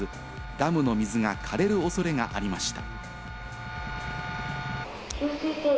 ダムの水が枯れる恐れがありました。